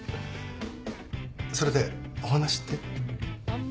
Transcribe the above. それでお話って？